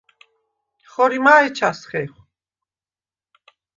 ხორიმა̄ ეჩას ხეხვ?